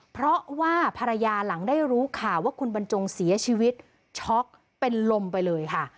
เพราะว่าภรรยาหลังได้รู้ข่าวว่าคุณบรรจงเสียชีวิตช็อกเป็นลมไปเลยค่ะ